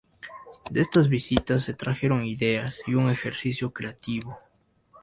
De estas visitas se trajeron ideas y un ejercicio creativo.